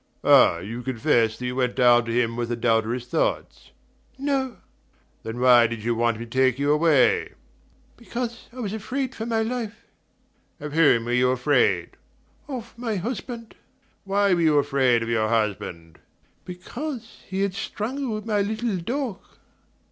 "Ah you confess that you went down to him with adulterous thoughts?" "No." "Then why did you want him to take you away?" "Because I was afraid for my life." "Of whom were you afraid?" "Of my husband." "Why were you afraid of your husband?" "Because he had strangled my little dog."